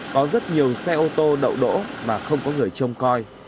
có rất nhiều xe ô tô đậu đỗ mà không có người trông coi